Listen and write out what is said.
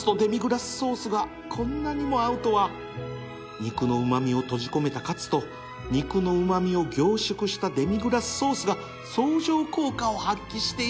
肉のうま味を閉じ込めたカツと肉のうま味を凝縮したデミグラスソースが相乗効果を発揮している